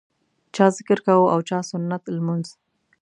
چا ذکر کاوه او چا سنت لمونځ.